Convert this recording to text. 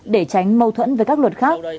để tránh mâu thuẫn với các luật khác